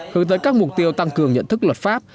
hướng tới các mục tiêu tăng cường nhận thức luật pháp